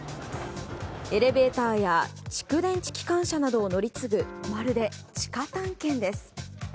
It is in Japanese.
エレベーターや蓄電池機関車などを乗り継ぐまるで地下探検です。